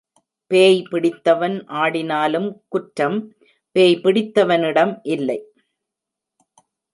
பேய் பிடித்தவன் ஆடினாலும், குற்றம் பேய் பிடித்தவனிடம் இல்லை.